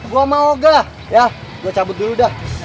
gue sama oga ya gue cabut dulu dah